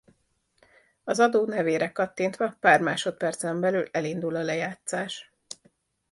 Az adó nevére kattintva pár másodpercen belül elindul a lejátszás.